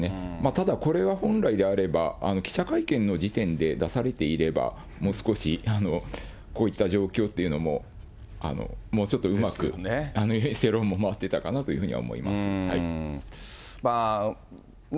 ただ、これは本来であれば、記者会見の時点で出されていれば、もう少しこういった状況というのも、もうちょっとうまく世論も回っていたかなと思いますね。